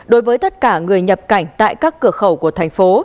đối với tất cả người nhập cảnh tại các cửa khẩu của thành phố